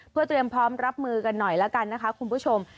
เพื่อเตรียมพร้อมรับมือกันหน่อยแล้วกันนะคะคุณผู้ชม